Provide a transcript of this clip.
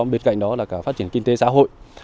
bên cạnh đó là cả phát triển kinh tế xã hội